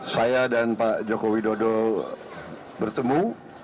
saya dan pak joko widodo bertemu